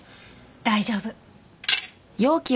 大丈夫。